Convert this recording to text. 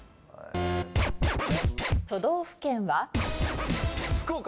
都道府県は？福岡！